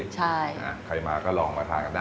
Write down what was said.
ใช่ค่ะ